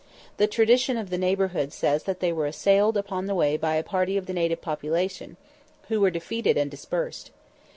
The tradition of the neighbourhood says they were assailed upon the way by a party of the native population, who were defeated and dispersed.